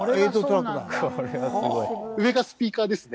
上がスピーカーですね。